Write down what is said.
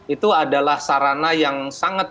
itu adalah sarana yang sangat